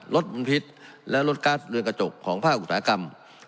และลดการ์ดเรือนกระจกของภาคอุตสาหกรรม